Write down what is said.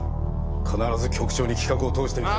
必ず局長に企画を通してみせる。